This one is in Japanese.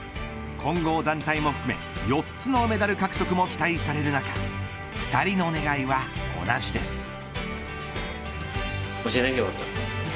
混合団体も含め４つのメダル獲得も期待される中２人の願いは同じです。